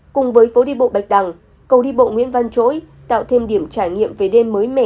cùng với phố đi bộ bạch đằng cầu đi bộ nguyễn văn chỗi tạo thêm điểm trải nghiệm về đêm mới mẻ